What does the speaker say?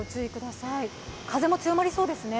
風も強まりそうですね？